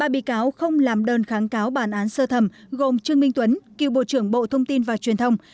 ba bị cáo không làm đơn kháng cáo bản án sơ thẩm gồm trương minh tuấn cựu bộ trưởng bộ thông tin và truyền thông